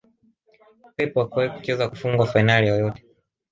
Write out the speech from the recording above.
Pep hakuwahi kucheza kufungwa fainali yoyote